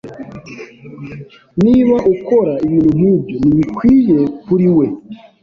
Niba ukora ibintu nkibyo, ntibikwiye kuri we.